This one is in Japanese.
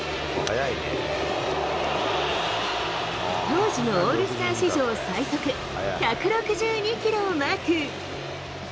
当時のオールスター史上最速１６２キロをマーク。